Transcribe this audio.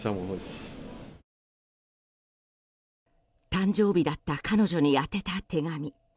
誕生日だった彼女に宛てた手紙。